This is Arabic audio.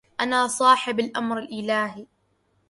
أنا صاحب الأمر الإلهي